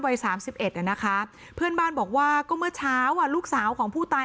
วันวัย๓๑นะคะเพื่อนบ้านบอกว่าก็เมื่อเช้าลูกสาวของผู้ตาย